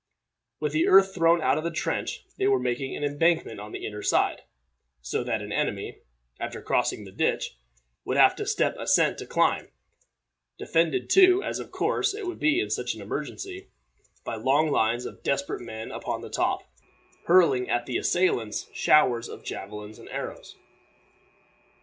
With the earth thrown out of the trench they were making an embankment on the inner side, so that an enemy, after crossing the ditch, would have a steep ascent to climb, defended too, as of course it would be in such an emergency, by long lines of desperate men upon the top, hurling at the assailants showers of javelins and arrows.